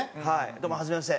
どうもはじめまして。